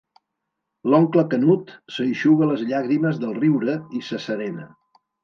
L'oncle Canut s'eixuga les llàgrimes del riure i s'asserena.